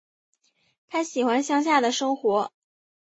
她喜欢乡下的生活